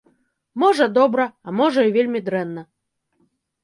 Можа добра, а можа і вельмі дрэнна.